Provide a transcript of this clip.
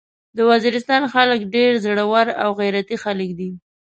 د وزيرستان خلک ډير زړور او غيرتي خلک دي.